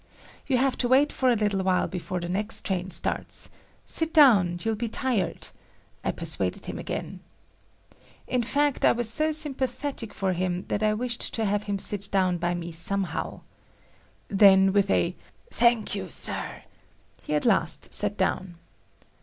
"You have to wait for a little while before the next train starts; sit down; you'll be tired," I persuaded him again. In fact, I was so sympathetic for him that I wished to have him sit down by me somehow. Then with a "Thank you, Sir," he at last sat down.